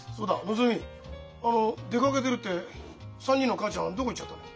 のぞみ出かけてるって３人の母ちゃんどこ行っちゃったの？